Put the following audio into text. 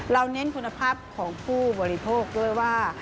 เน้นคุณภาพของผู้บริโภคด้วยว่า